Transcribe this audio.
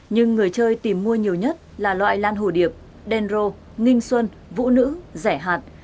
nhưng người chơi tìm mua nhiều nhất là loại lan hồ điệp đen rô ninh xuân vũ nữ rẻ hạt